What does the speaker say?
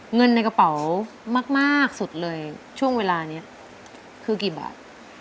เงินในกระเป๋ามากสุดเลยช่วงเวลานี้คือกี่บาท